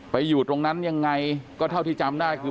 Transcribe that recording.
อยู่ตรงนั้นยังไงก็เท่าที่จำได้คือ